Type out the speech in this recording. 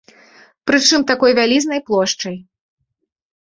Прычым такой вялізнай плошчай.